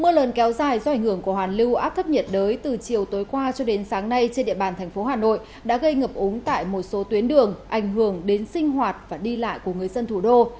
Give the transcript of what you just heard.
mưa lớn kéo dài do ảnh hưởng của hoàn lưu áp thấp nhiệt đới từ chiều tối qua cho đến sáng nay trên địa bàn thành phố hà nội đã gây ngập úng tại một số tuyến đường ảnh hưởng đến sinh hoạt và đi lại của người dân thủ đô